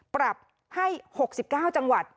ปรับให้๖๙จังหวัด